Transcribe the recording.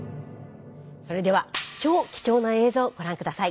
それでは超貴重な映像ご覧下さい。